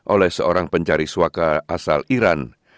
oleh seorang pencari suaka asal iran